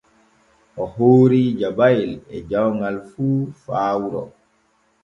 O hoori jabayel e jawŋal fu faa wuro.